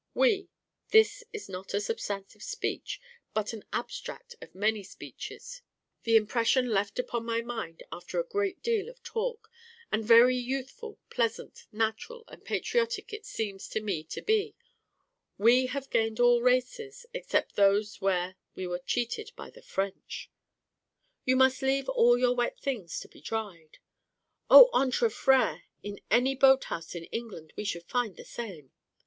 'We'—this is not a substantive speech, but an abstract of many speeches, the impression left upon my mind after a great deal of talk; and very youthful, pleasant, natural, and patriotic it seems to me to be—'We have gained all races, except those where we were cheated by the French.' 'You must leave all your wet things to be dried.' 'O! entre frères! In any boat house in England we should find the same.